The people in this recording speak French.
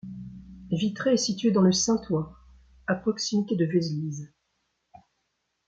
Vitrey est situé dans le Saintois, à proximité de Vézelise.